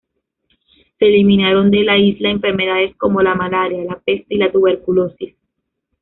Se eliminaron de la isla enfermedades como la malaria, la peste, y la tuberculosis.